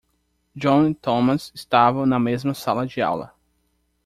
John e Thomas estavam na mesma sala de aula.